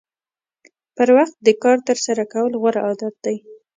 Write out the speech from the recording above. پر وخت د کار ترسره کول غوره عادت دی.